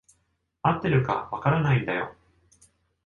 合ってるか分からないんだよ。